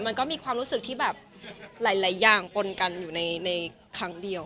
มันก็มีความรู้สึกที่แบบหลายอย่างปนกันอยู่ในครั้งเดียว